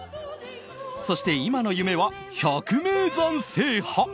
そして、今の夢は百名山制覇。